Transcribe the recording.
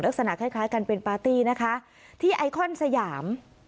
ลักษณะคล้ายคล้ายกันเป็นปาร์ตี้นะคะที่ไอคอนสยาม